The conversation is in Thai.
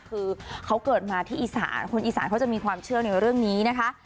คือเขาเกิดมาที่อีสานคนอีสานเขาจะมีความเชื่อในเรื่องนี้นะคะ